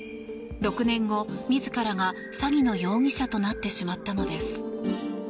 ６年後、自らが詐欺の容疑者となってしまったのです。